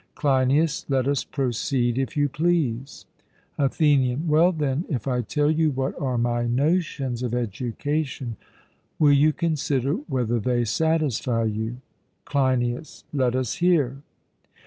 CLEINIAS: Let us proceed, if you please. ATHENIAN: Well, then, if I tell you what are my notions of education, will you consider whether they satisfy you? CLEINIAS: Let us hear.